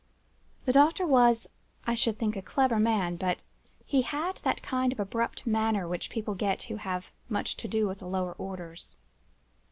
"The doctor was, I should think, a clever man; but he had that kind of abrupt manner which people get who have much to do with the lower orders.